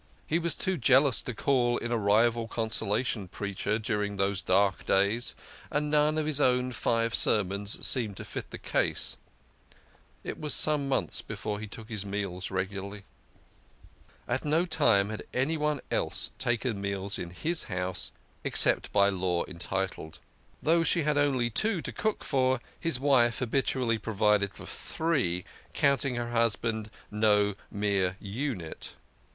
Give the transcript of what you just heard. He was too jealous to call in a rival consolation preacher during those dark days, and none of his own five sermons seemed to fit the case. It was some months before he took his meals regularly. At no time had anyone else taken meals in his house, except by law entitled. Though she had only two to cook for, his wife habitually provided for three, counting her husband no mere unit.